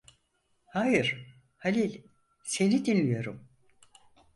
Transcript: Hayır, Halil, seni dinliyorum…